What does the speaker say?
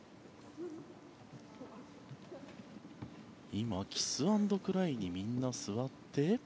今、キスアンドクライにみんな座って。